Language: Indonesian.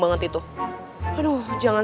sampai jumpa lagi